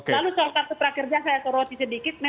lalu soal kartu prakerja saya soroti sedikit